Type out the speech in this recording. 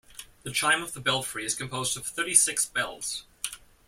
The chime of the belfry is composed of thirty-six bells.